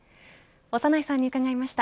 長内さんに伺いました。